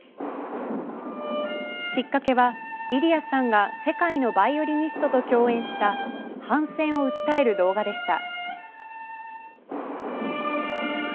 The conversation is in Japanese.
きっかけは、イリアさんが世界のバイオリニストと共演した反戦を訴える動画でした。